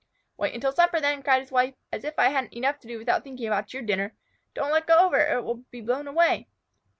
"Wait until supper then," cried his wife. "As if I hadn't enough to do without thinking about your dinner! Don't let go of it or it will be blown away."